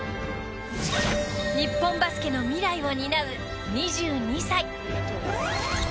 日本バスケの未来を担う２２歳。